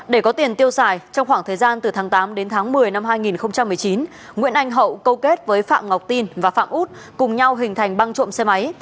để có tiền tiêu xài trong khoảng thời gian từ tháng tám đến tháng một mươi năm hai nghìn một mươi chín nguyễn anh hậu câu kết với phạm ngọc tin và phạm út cùng nhau hình thành băng trộm xe máy